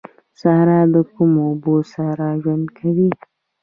صحرا د کمو اوبو سره ژوند کوي